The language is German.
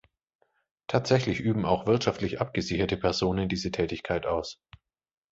Tatsächlich üben auch wirtschaftlich abgesicherte Personen diese Tätigkeit aus.